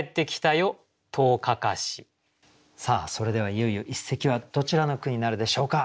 それではいよいよ一席はどちらの句になるでしょうか。